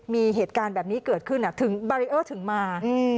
มีเหตุการณ์แบบนี้เกิดขึ้นถึงบารีเออร์ถึงมา